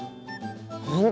本当？